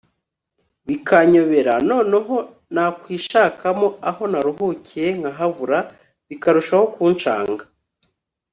bikanyobera noneho nakwishakamo aho naruhukiye nkahabura bikarushaho kunshanga